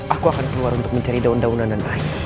aku akan keluar untuk mencari daun daunan dan lain